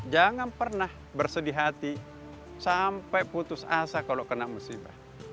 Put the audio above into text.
jangan pernah bersedih hati sampai putus asa kalau kena musibah